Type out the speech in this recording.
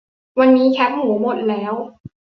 วันนี้แคบหมูหมดแล้ว